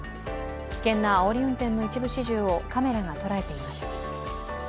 危険なあおり運転の一部始終をカメラが捉えています。